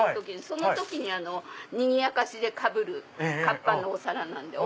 その時ににぎやかしでかぶるカッパのお皿なんで。